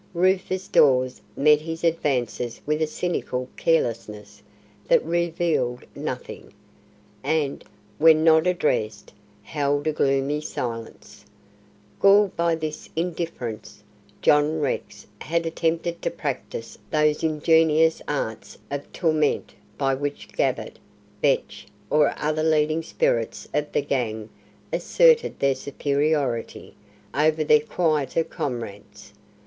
Rufus Dawes met his advances with a cynical carelessness that revealed nothing; and, when not addressed, held a gloomy silence. Galled by this indifference, John Rex had attempted to practise those ingenious arts of torment by which Gabbett, Vetch, or other leading spirits of the gang asserted their superiority over their quieter comrades.